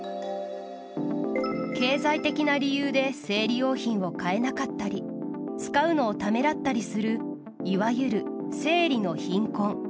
経済的な理由で生理用品を買えなかったり使うのをためらったりするいわゆる生理の貧困。